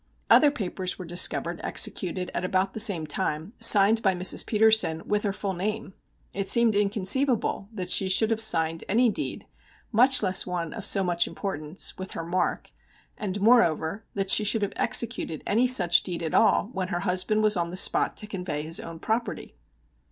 Other papers were discovered executed at about the same time, signed by Mrs. Petersen with her full name. It seemed inconceivable that she should have signed any deed, much less one of so much importance, with her mark, and, moreover, that she should have executed any such deed at all when her husband was on the spot to convey his own property.